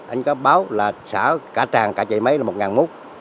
anh có báo là xả cả tràng cả chạy máy là một mút